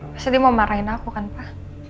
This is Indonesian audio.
pasti dia mau marahin aku kan pak